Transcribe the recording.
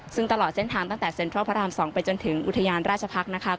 ซึ่งตลอดเส้นทางตั้งแต่เซ็นทรัลพระราม๒ไปจนถึงอุทยานราชพักษ์นะคะ